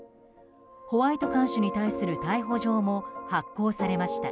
ホワイト看守に対する逮捕状も発行されました。